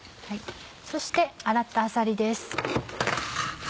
そして洗ったあさりです。